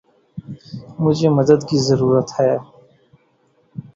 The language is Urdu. مجھے مدد کی ضرورت ہے۔